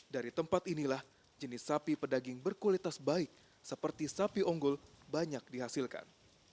dari tempat inilah jenis sapi pedaging berkualitas baik seperti sapi unggul banyak dihasilkan